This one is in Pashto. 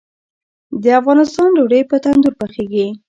د افغانستان ډوډۍ په تندور پخیږي